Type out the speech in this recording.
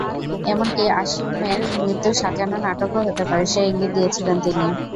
এমনকি আসিমের মৃত্যু সাজানো নাটকও হতে পারে সেই ইঙ্গিত দিয়েছিলেন তিনি।